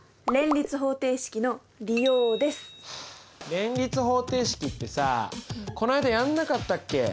連立方程式ってさこないだやんなかったっけ？